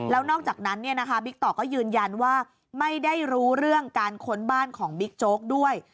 แล้วนอกจากนั้นบิ๊กต่อก็ยืนยันว่าไม่ได้รู้เรื่องการค้นบ้านของบิ๊กโจ๊กด้วย